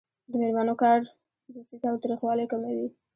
د میرمنو کار د جنسي تاوتریخوالي کموي.